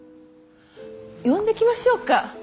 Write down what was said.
呼んできましょうか？